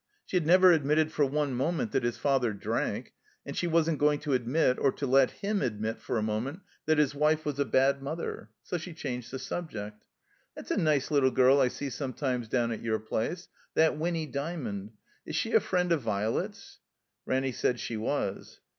She had never admitted for one moment that his father drank; and she wasn't going to admit, or to let him admit, for a moment that his wife was a bad mother. So she changed the subject. "That's a nice little girl I see sometimes down at your place. That Winny D3miond. Is she a friend of Vi'let's?" Ranny said she was.